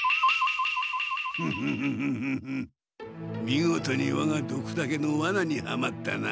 見事にわがドクタケのワナにはまったな。